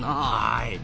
はい。